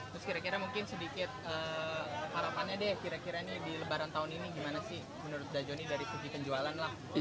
terus kira kira mungkin sedikit harapannya deh kira kira nih di lebaran tahun ini gimana sih menurut dajo nih